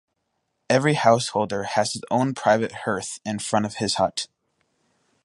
Every householder has his own private hearth in front of his hut.